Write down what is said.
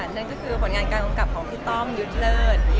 นั่นก็คือผลงานการกำกับของพี่ต้อมยุทธ์เลิศ